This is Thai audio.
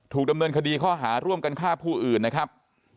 ดำเนินคดีข้อหาร่วมกันฆ่าผู้อื่นนะครับ